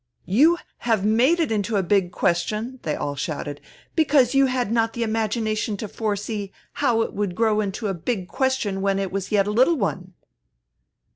" You have made it into a big question," they all shouted, " because you had not the imagination to foresee how it would grow into a big question when it was yet a little one."